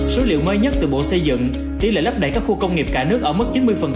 số liệu mới nhất từ bộ xây dựng tỷ lệ lấp đầy các khu công nghiệp cả nước ở mức chín mươi